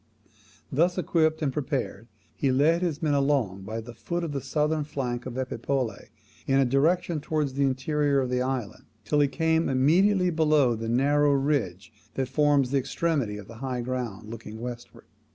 Thus equipped and prepared, he led his men along by the foot of the southern flank of Epipolae, in a direction towards the interior of the island, till he came immediately below the narrow ridge that forms the extremity of the high ground looking westward.